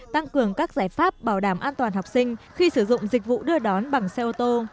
tăng cường các giải pháp bảo đảm an toàn học sinh khi sử dụng dịch vụ đưa đón bằng xe ô tô